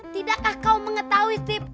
tidakkah kau mengetahui steve